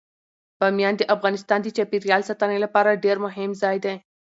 بامیان د افغانستان د چاپیریال ساتنې لپاره ډیر مهم ځای دی.